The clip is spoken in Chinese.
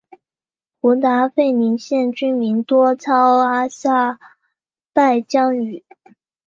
胡达费林县居民多操阿塞拜疆语。